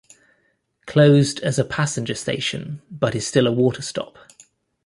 Closed as a passenger station but is still a water stop.